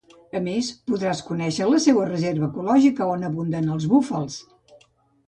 A més, podràs conéixer la seua reserva ecològica on abunden els búfals.